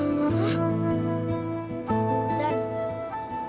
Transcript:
udah selesai projek balik